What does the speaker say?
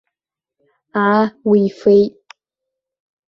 Аа, уифеит!